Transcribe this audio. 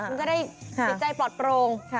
มันก็ได้สิทธิใจปลอดโปรง